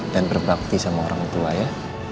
dan berbakti sama orang tua ya